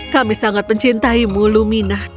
kami sangat mencintaimu lumina